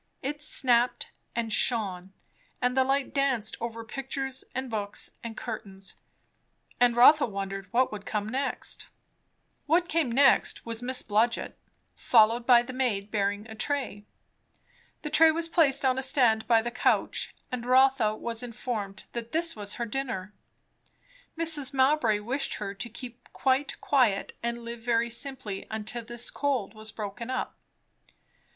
It snapped and shone, and the light danced over pictures and books and curtains; and Rotha wondered what would come next. What came next was Miss Blodgett, followed by the maid bearing a tray. The tray was placed on a stand by the couch, and Rotha was informed that this was her dinner. Mrs. Mowbray wished her to keep quite quiet and live very simply until this cold was broken up.